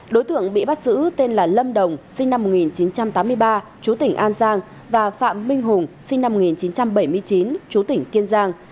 đối tượng bị bắt giữ tên là lâm đồng sinh năm một nghìn chín trăm tám mươi ba chú tỉnh an giang và phạm minh hùng sinh năm một nghìn chín trăm bảy mươi chín chú tỉnh kiên giang